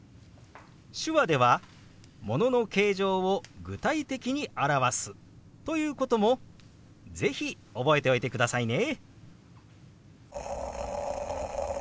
手話では物の形状を具体的に表すということも是非覚えておいてくださいね。